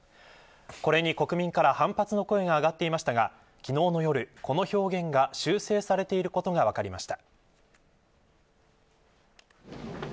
これに国民から反発の声が上がっていましたが昨日の夜、この表現が修正されていることが分かりました。